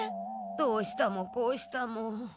どうしたもこうしたも。